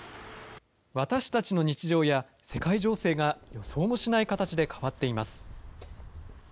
私たちの日常や世界情勢が予想もしない形で変わっています。